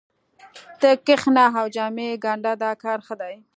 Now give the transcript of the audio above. ته کښېنه او جامې ګنډه دا کار ښه دی